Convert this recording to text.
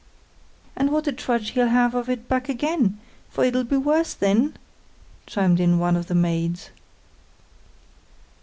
"And what a trudge he'll have of it back again, for it'll be worse then!" chimed in one of the maids.